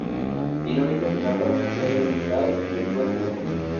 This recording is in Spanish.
Irónico final para un complejo edificado en tiempo de tiburones.